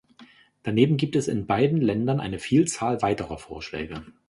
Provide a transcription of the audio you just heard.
Daneben gibt es in beiden Ländern eine Vielzahl weiterer Vorschläge.